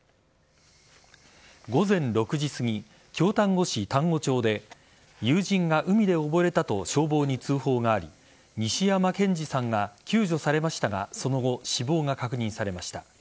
午前６時すぎ、京丹後市丹後町で友人が海で溺れたと消防に通報があり西山健二さんが救助されましたがその後、死亡が確認されました。